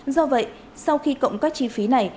do vậy sau khi cộng các chi phí này